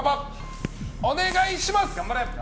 お願いします！